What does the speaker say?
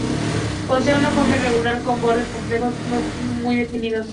Posee una forma irregular con bordes complejos, no muy definidos.